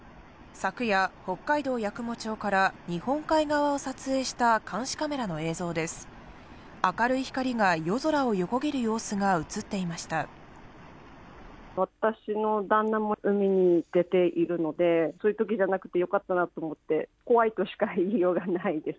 昨夜、北海道八雲町から日本海側を撮影した監視カメラの映像です。